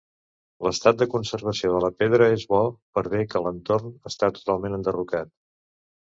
L'estat de conservació de la pedra és bo, per bé que l'entorn està totalment enderrocat.